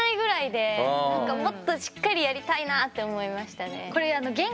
もっとしっかりやりたいなって思いましたね。